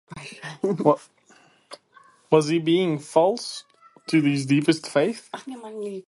Was he being false to his deepest faith?